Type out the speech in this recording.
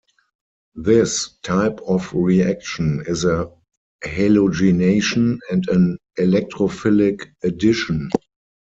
This type of reaction is a halogenation and an electrophilic addition.